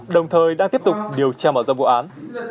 đồng thời đang tiếp tục điều tra mở rộng vụ án